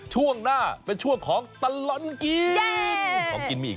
ช่วงหน้าเป็นช่วงของตลอดกิ๊ม